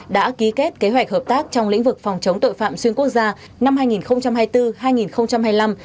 đã ký kết kế hoạch hợp tác trong lĩnh vực phòng chống tội phạm xuyên quốc gia năm hai nghìn hai mươi bốn hai nghìn hai mươi năm